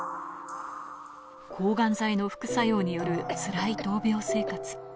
抗がん剤の副作用によるつらい闘病生活。